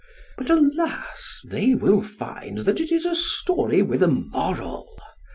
But, alas, they will find that it is a story with a moral.